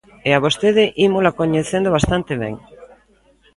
E a vostede ímola coñecendo bastante ben.